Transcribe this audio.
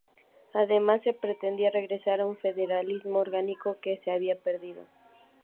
Además, se pretendía regresar a un federalismo orgánico que se había perdido.